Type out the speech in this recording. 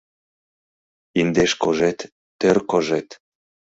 Индеш кожет - тӧр кожет